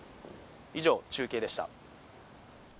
以上、中継でした。